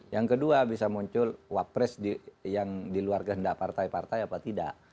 yang kedua bisa muncul wapres yang diluarga tidak partai partai apa tidak